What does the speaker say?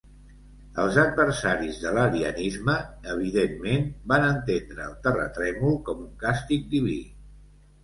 Els adversaris de l'arianisme evidentment van entendre el terratrèmol com un càstig diví.